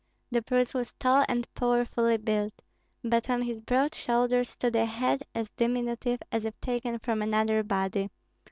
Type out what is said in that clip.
The prince was tall and powerfully built, but on his broad shoulders stood a head as diminutive as if taken from another body.